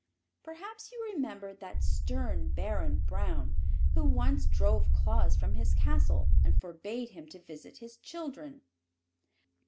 Perhaps you remember that stern Baron Braun who once drove Claus from his castle and forbade him to visit his children?